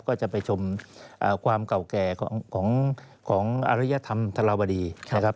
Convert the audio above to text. ก็จะไปชมความเก่าแก่ของอริยธรรมธรวดีนะครับ